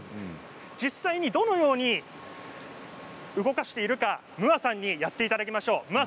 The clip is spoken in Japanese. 実際にどのように動かしているかムアさんにやっていただきましょう。